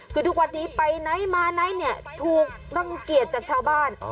คือทุกวันนี้ไปไหนมาไหนเนี่ยถูกรังเกียจจากชาวบ้าน